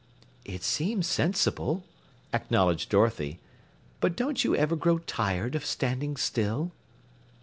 "It seem sensible," acknowledged Dorothy. "But don't you ever grow tired of standing still?"